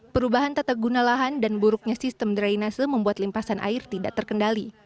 perubahan tata guna lahan dan buruknya sistem drainase membuat limpasan air tidak terkendali